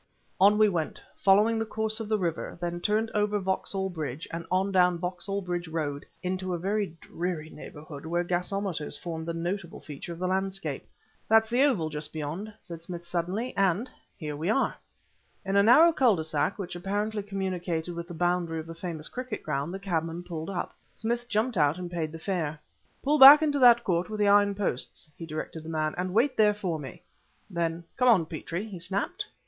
On we went, following the course of the river, then turned over Vauxhall Bridge and on down Vauxhall Bridge Road into a very dreary neighborhood where gasometers formed the notable feature of the landscape. "That's the Oval just beyond," said Smith suddenly, "and here we are." In a narrow cul de sac which apparently communicated with the boundary of the famous cricket ground, the cabman pulled up. Smith jumped out and paid the fare. "Pull back to that court with the iron posts," he directed the man, "and wait there for me." Then: "Come on, Petrie!" he snapped.